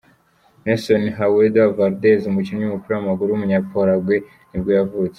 Nelson Haedo Valdez, umukinnyi w’umupira w’amaguru w’umunyaparaguay nibwo yavutse.